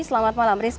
selamat malam rizka